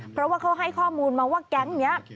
เพราะว่าเขาให้ข้อมูลมาว่าแก๊งนี้